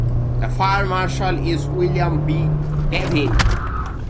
The Fire Marshal is William B. Davin.